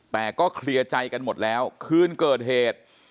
แต่ก็เคลียร์ใจกันหมดแล้วคืนเกิดเหตุ